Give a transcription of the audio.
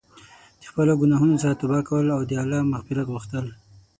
د خپلو ګناهونو څخه توبه کول او د الله مغفرت غوښتل.